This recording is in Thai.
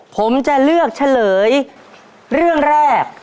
ผมจะเลือกเฉลยเรื่องแรก